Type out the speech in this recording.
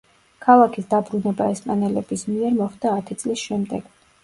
ქალაქის დაბრუნება ესპანელების მიერ მოხდა ათი წლის შემდეგ.